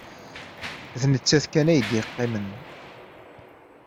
D nettat kan ay d-yeqqimen.